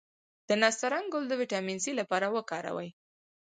د نسترن ګل د ویټامین سي لپاره وکاروئ